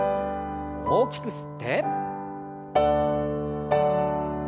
大きく吸って。